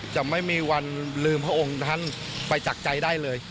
จะไม่มีวันลืมพระองค์ท่านไปจากใจได้เลย